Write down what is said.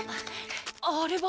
あれは？